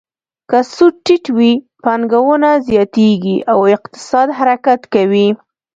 که سود ټیټ وي، پانګونه زیاتیږي او اقتصاد حرکت کوي.